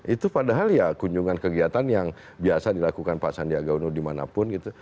itu padahal ya kunjungan kegiatan yang biasa dilakukan pak sandiaga uno dimanapun gitu